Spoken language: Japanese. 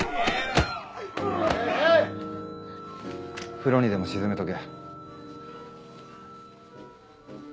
風呂にでも沈めとけ。